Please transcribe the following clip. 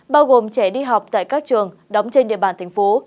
bao gồm trẻ đi học tại các trường đóng trên địa bàn thành phố